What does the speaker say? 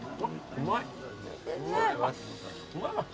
うまいわ。